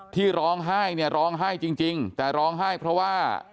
ที่ร้องไห้เนี่ยร้องไห้จริงแต่ร้องไห้เพราะว่า